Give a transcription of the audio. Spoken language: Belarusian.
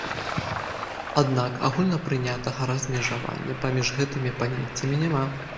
Аднак, агульнапрынятага размежавання паміж гэтымі паняццямі няма.